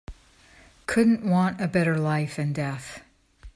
Couldn't want a better life and death.